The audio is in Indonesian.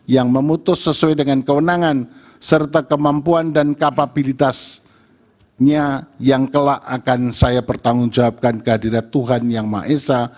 yang memutus sesuai dengan kewenangan serta kemampuan dan kapabilitasnya yang kelak akan saya pertanggungjawabkan kehadiran tuhan yang maha esa